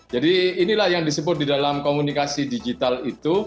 jadi inilah yang disebut di dalam komunikasi digital itu